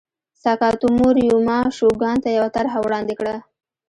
ساکاتومو ریوما شوګان ته یوه طرحه وړاندې کړه.